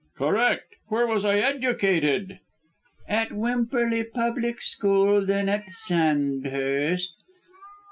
"Correct. Where was I educated?" "At Wimperly Public School, and then at Sandhurst."